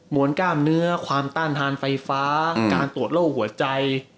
วนกล้ามเนื้อความต้านทานไฟฟ้าการตรวจโรคหัวใจ